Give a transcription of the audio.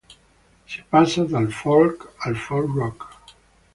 Si passa dal folk al folk rock.